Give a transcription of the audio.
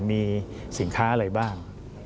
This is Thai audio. มีสินค้าอะไรบ้าง